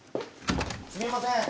すみません。